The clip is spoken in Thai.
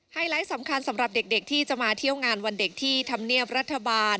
ไลท์สำคัญสำหรับเด็กที่จะมาเที่ยวงานวันเด็กที่ธรรมเนียบรัฐบาล